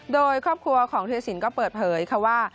โดยครอบครัวของธิรสินก็เปิดเผยค่ะว่า